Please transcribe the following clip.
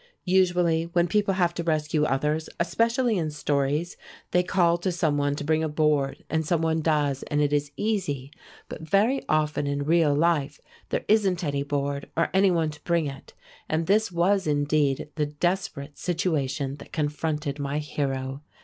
Usually when people have to rescue others, especially in stories, they call to some one to bring a board, and some one does, and it is easy. But very often in real life there isn't any board or any one to bring it, and this was indeed the desperate situation that confronted my hero.